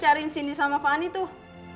biarin sini sama fani tuh